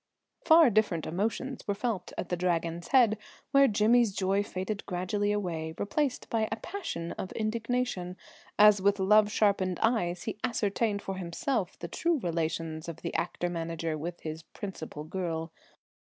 Far different emotions were felt at the Dragon's head, where Jimmy's joy faded gradually away, replaced by a passion of indignation, as with love sharpened eyes he ascertained for himself the true relations of the actor manager with his "principal girl."